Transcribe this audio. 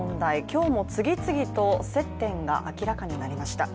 今日も次々と接点が明らかになりました。